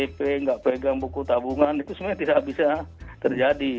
itu sebenarnya tidak bisa terjadi